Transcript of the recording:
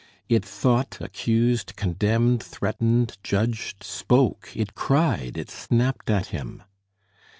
It thought, accused, condemned, threatened, judged, spoke it cried, it snapped at him!